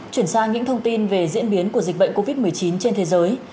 chuyển sang những thông tin về diễn biến của dịch bệnh covid một mươi chín trên thế giới